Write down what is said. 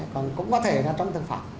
còn cũng có thể là trong thực phẩm